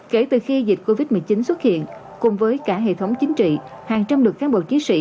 kể từ khi dịch covid một mươi chín xuất hiện cùng với cả hệ thống chính trị hàng trăm lực cán bộ chiến sĩ